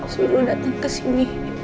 suruh datang kesini